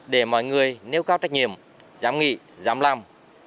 để mọi người nêu cao trách nhiệm giám nghị giám loạn